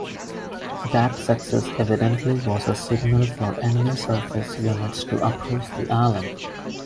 That success evidently was a signal for enemy surface units to approach the island.